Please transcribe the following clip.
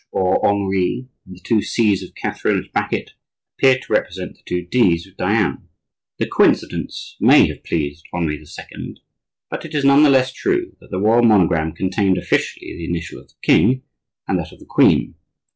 The H or Henri and the two C's of Catherine which back it, appear to represent the two D's of Diane. The coincidence may have pleased Henri II., but it is none the less true that the royal monogram contained officially the initial of the king and that of the queen.